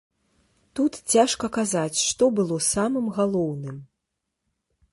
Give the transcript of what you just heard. Тут цяжка казаць, што было самым галоўным.